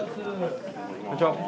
こんにちは。